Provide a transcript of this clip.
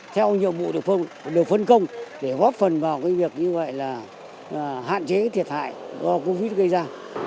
theo nhiệm vụ địa phương được phân công để góp phần vào cái việc như vậy là hạn chế thiệt hại do covid gây ra